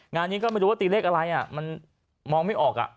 งานนี้ก็ไม่รู้ว่าตีเลขอะไรมันมองไม่ออก